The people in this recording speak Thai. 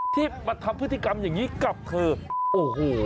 ที่มาทำพฤติกรรมอย่างนี้กับเธอโอ้โห